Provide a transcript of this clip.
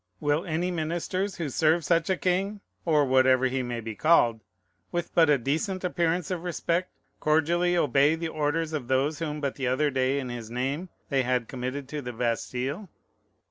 Will any ministers, who serve such a king (or whatever he may be called) with but a decent appearance of respect, cordially obey the orders of those whom but the other day in his name they had committed to the Bastile?